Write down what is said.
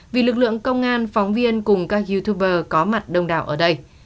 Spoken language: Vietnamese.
vì lực lượng công an phóng viên cùng các youtuber có mặt đông đảo ở đây